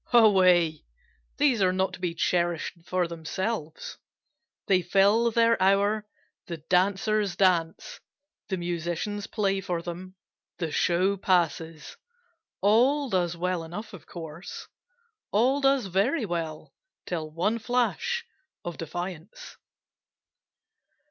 Away! these are not to be cherish'd for themselves, They fill their hour, the dancers dance, the musicians play for them, The show passes, all does well enough of course, All does very well till one flash of defiance.